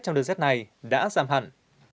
trong đợt xét này đã giảm hẳn